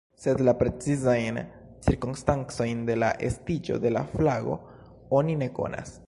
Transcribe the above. Sed la precizajn cirkonstancojn de la estiĝo de la flago oni ne konas.